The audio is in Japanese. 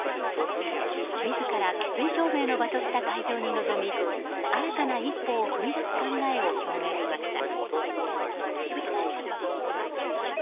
自ら決意表明の場とした会場に臨み新たな一歩を踏み出す考えを表明しました。